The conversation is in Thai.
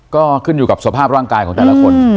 ก็ขึ้นอยู่กับสภาพร่างกายของแต่ละคน